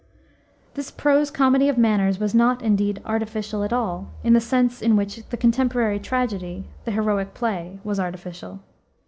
This prose comedy of manners was not, indeed, "artificial" at all, in the sense in which the contemporary tragedy the "heroic play" was artificial.